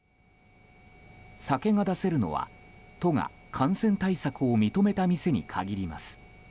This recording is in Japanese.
酒が出せるのは、都が感染対策を認めた店に限ります。